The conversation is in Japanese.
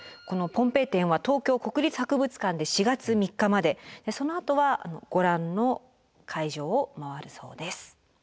この「ポンペイ展」は東京国立博物館で４月３日までそのあとはご覧の会場を回るそうです。